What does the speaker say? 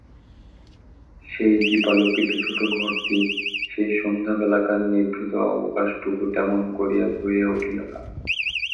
সেই দীপালোকিত ছোটো ঘরটি, সেই সন্ধ্যাবেলাকার নিভৃত অবকাশটুকু তেমন করিয়া ভরিয়া উঠিল না।